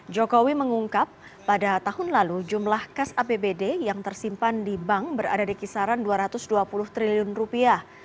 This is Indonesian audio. jokowi mengungkap pada tahun lalu jumlah cas apbd yang tersimpan di bank berada di kisaran dua ratus dua puluh triliun rupiah